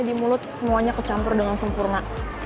jadi mulut semuanya kecampur dengan sempurna